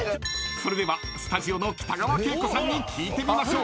［それではスタジオの北川景子さんに聞いてみましょう］